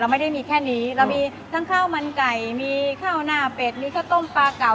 ไม่ได้มีแค่นี้เรามีทั้งข้าวมันไก่มีข้าวหน้าเป็ดมีข้าวต้มปลาเก่า